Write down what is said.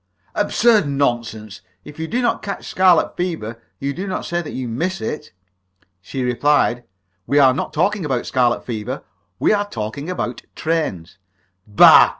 "Absurd nonsense! If you do not catch scarlet fever, you do not say that you miss it!" She replied: "We are not talking about scarlet fever; we are talking about trains!" "Bah!"